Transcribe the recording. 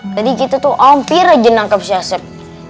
tadi kita tuh hampir aja nangkep si asep